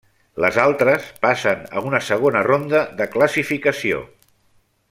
Les altres passen a una segona ronda de classificació.